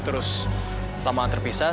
terus lama gak terpisah